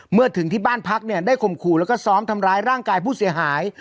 เมื่อถึงที่บ้านพักเนี่ยได้ข่มขู่แล้วก็ซ้อมทำร้ายร่างกายผู้เสียหาย